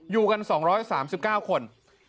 อยู่กัน๒๓๙คน